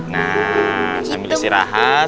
nah sambil istirahat